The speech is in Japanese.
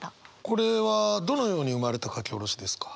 これはどのように生まれた書き下ろしですか？